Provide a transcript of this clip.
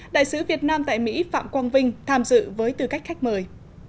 đại sứ việt nam tại mỹ phạm quang vinh tham dự với tư cách khách mời